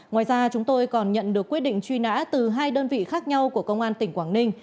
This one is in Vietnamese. ngoài ra chúng tôi còn nhận được quyết định truy nã từ hai đơn vị khác nhau của công an tỉnh quảng ninh